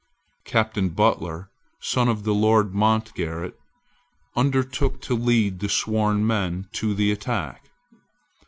Captain Butler, son of the Lord Mountgarret, undertook to lead the sworn men to the attack.